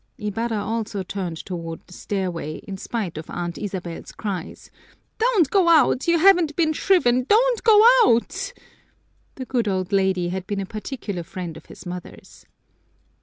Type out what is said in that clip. _" Ibarra also turned toward the stairway, in spite of Aunt Isabel's cries: "Don't go out, you haven't been shriven, don't go out!" The good old lady had been a particular friend of his mother's.